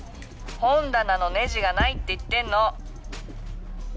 本棚のネジがないって言ってんの！